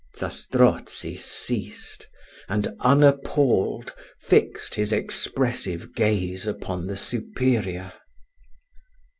Zastrozzi ceased; and, unappalled, fixed his expressive gaze upon the superior.